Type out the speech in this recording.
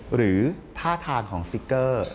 หรือท่าทางของซิกเกอร์